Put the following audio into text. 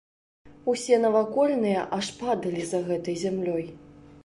Усе навакольныя аж падалі за гэтай зямлёй.